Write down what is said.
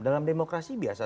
dalam demokrasi biasa saja